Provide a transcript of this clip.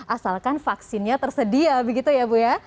asalkan vaksinnya tersedia begitu ya bu ya